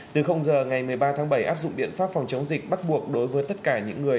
từ giờ ngày một mươi ba tháng bảy áp dụng biện pháp phòng chống dịch bắt buộc đối với tất cả những người